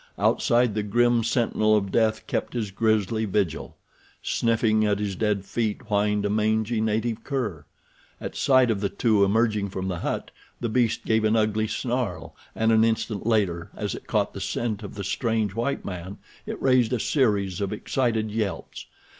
Outside the grim sentinel of death kept his grisly vigil. Sniffing at his dead feet whined a mangy native cur. At sight of the two emerging from the hut the beast gave an ugly snarl and an instant later as it caught the scent of the strange white man it raised a series of excited yelps.